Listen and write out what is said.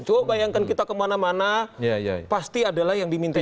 coba bayangkan kita kemana mana pasti adalah yang diminta